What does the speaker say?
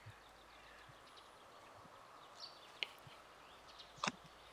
Similar scientific fields are Bibliometrics, Informetrics, Scientometrics, Virtual ethnography, and Web mining.